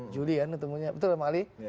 juli kan ketemunya betul sama ali